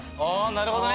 なるほどね。